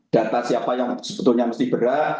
data siapa yang sebetulnya mesti berat